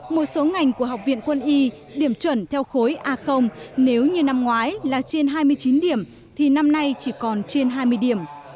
một số ngành của học viện quân y điểm chuẩn theo khối a nếu như năm ngoái là trên hai mươi chín điểm thì năm nay chỉ còn trên hai mươi điểm